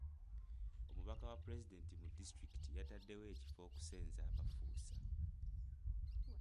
Omubaka wa pulezidenti mu disitulikiti yataddewo ekifo okusenza abafuusa.